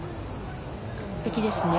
完璧ですね。